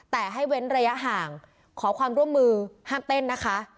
แต่ให้เว้นระยะห่างขอความร่วมมือห้ามเต้นนะคะ